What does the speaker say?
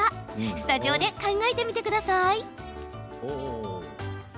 スタジオで考えてみてください。